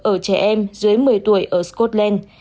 ở trẻ em dưới một mươi tuổi ở scotland